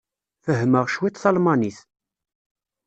Fehhmeɣ cwiṭ talmanit.